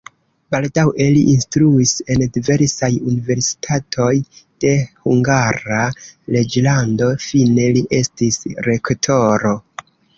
Baldaŭe li instruis en diversaj universitatoj de Hungara reĝlando, fine li estis rektoro.